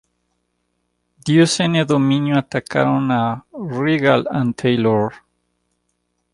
Deuce 'N Domino atacaron a Regal and Taylor.